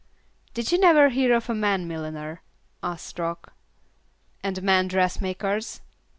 "Did you never hear of a man milliner?" asked Rock. "And men dressmakers?